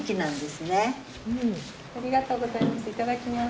ありがとうございます。